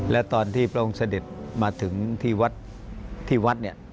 และตอนที่พระองค์เสด็จมาถึงที่วัด